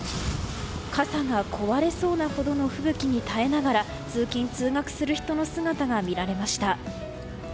傘が壊れそうなほどの吹雪に耐えながら通勤・通学する人の姿が見られました。